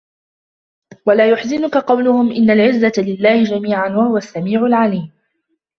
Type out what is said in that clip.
ولا يحزنك قولهم إن العزة لله جميعا هو السميع العليم